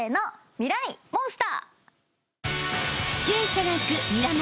ミライ☆モンスター。